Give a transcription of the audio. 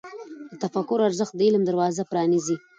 د تفکر ارزښت د علم دروازه پرانیزي.